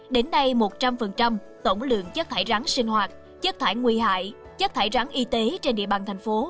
đến nay một trăm linh tổng lượng chất thải rắn sinh hoạt chất thải nguy hại chất thải rắn y tế trên địa bàn thành phố